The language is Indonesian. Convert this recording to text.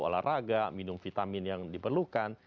olahraga minum vitamin yang diperlukan